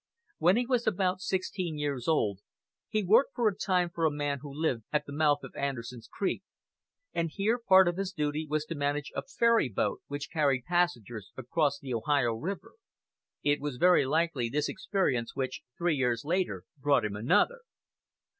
When he was about sixteen years old he worked for a time for a man who lived at the mouth of Anderson's Creek, and here part of his duty was to manage a ferry boat which carried passengers across the Ohio River. It was very likely this experience which, three years later, brought him another.